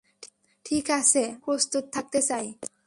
ঠিক আছে, আমরা প্রস্তুত থাকতে চাই।